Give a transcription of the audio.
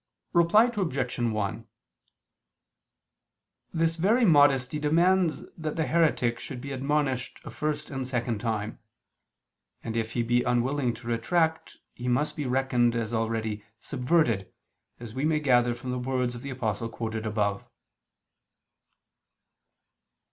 Reply Obj. 1: This very modesty demands that the heretic should be admonished a first and second time: and if he be unwilling to retract, he must be reckoned as already "subverted," as we may gather from the words of the Apostle quoted above.